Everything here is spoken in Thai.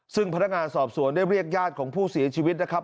ซึ่งพนักงานสอบสวนได้เรียกญาติของผู้เสียชีวิตนะครับ